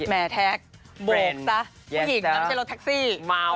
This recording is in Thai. แหมแท็กโบกซะผู้หญิงนำเช็นรถแท็กซี่